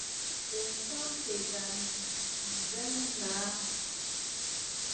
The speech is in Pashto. د انسان پېژندنه.